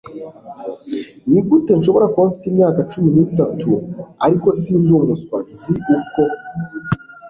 nigute nshobora kuba mfite imyaka cumi n'itatu, ariko sindi umuswa nzi uko